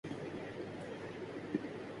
ایسا ہو تو انسان اس پہ غش ہی کھا سکتا ہے۔